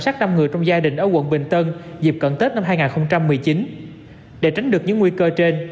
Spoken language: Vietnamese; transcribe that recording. sát năm người trong gia đình ở quận bình tân dịp cận tết năm hai nghìn một mươi chín để tránh được những nguy cơ trên